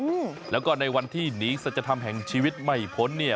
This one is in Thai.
อืมแล้วก็ในวันที่หนีสัจธรรมแห่งชีวิตไม่พ้นเนี่ย